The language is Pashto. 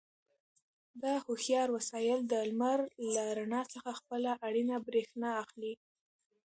دا هوښیار وسایل د لمر له رڼا څخه خپله اړینه برېښنا اخلي.